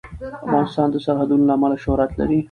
افغانستان د سرحدونه له امله شهرت لري.